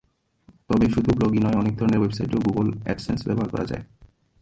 তবে শুধু ব্লগই নয়, অনেক ধরনের ওয়েবসাইটেই গুগল অ্যাডসেন্স ব্যবহার করা যায়।